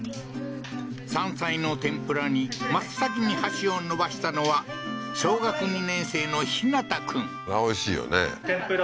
山菜の天ぷらに真っ先に箸を伸ばしたのは、小学２年生の陽向君。